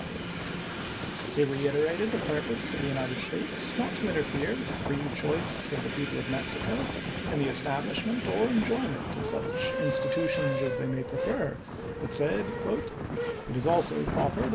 He reiterated the purpose of the United States not to interfere with the free choice of the people of Mexico in the establishment or enjoyment of such institutions as they may prefer, but said : "It is also proper that M.